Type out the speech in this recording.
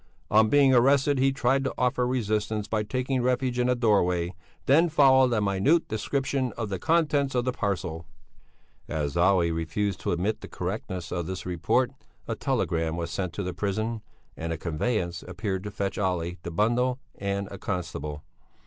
On being arrested he tried to offer resistance by taking refuge in a doorway. Then followed a minute description of the contents of the parcel. As Olle refused to admit the correctness of this report, a telegram was sent to the prison, and a conveyance appeared to fetch Olle, the bundle, and a constable.